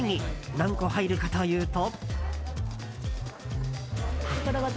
何個入るかというと。